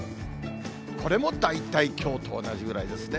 これも大体きょうと同じぐらいですね。